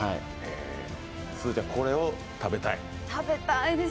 すずちゃん、これを食べたい？